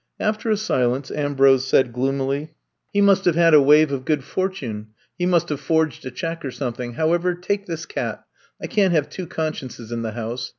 After a silence Ambrose said gloomily :He must have had a wave of good for tune ; he must have forged a check or some thing ; however, take this cat. I can 't have two consciences in the house.